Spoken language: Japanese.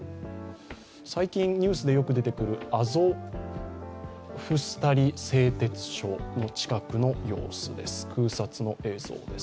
最近、ニュースでよく出てくるアゾフスタリ製鉄所の近くの様子です。